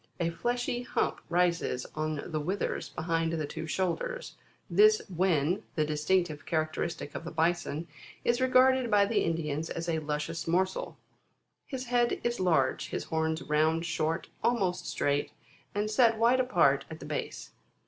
A fleshy hump rises on the withers between the two shoulders; this wen, the distinctive characteristic of the Bison, is regarded by the Indians as a luscious morsel. His head is large ; his horns round, short, almost straight, and set wide apart at the base.